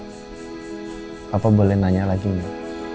papa boleh nanya lagi gak